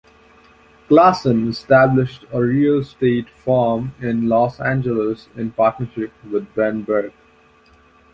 Klassen established a real estate firm in Los Angeles in partnership with Ben Burke.